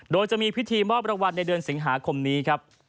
โดยจะมีพิธีมอบรางวัลในเดือนสิงหาคมนี้ครับ